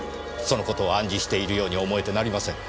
その事を暗示しているように思えてなりません。